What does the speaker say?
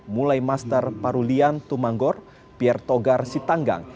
mulai master parulian tumanggor pier togar sitanggang